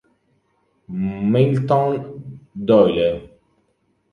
Milton Doyle